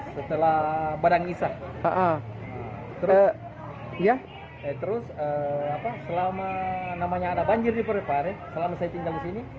setelah badan isa terus selama namanya ada banjir diperparah selama saya tinggal di sini